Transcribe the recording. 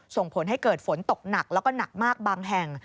ส่งผลให้เกิดฝนตกหนักแล้วก็หนักมากบางแห่ง